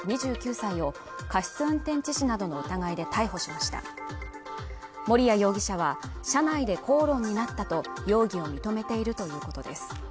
２９歳を過失運転致死などの疑いで逮捕しました森谷容疑者は車内で口論になったと容疑を認めているということです